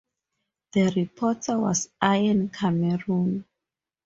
The reporter was Ian Cameron.